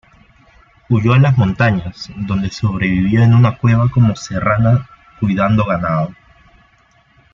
Huyó a las montañas, donde sobrevivió en una cueva como serrana cuidando ganado.